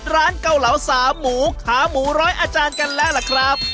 เกาเหลาสามหมูขาหมูร้อยอาจารย์กันแล้วล่ะครับ